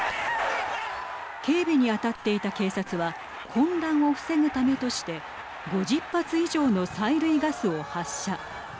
警備に当たっていた警察は混乱を防ぐためとして５０発以上の催涙ガスを発射。